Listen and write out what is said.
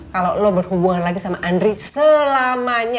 kalo lu berhubungan lagi sama andri selamanya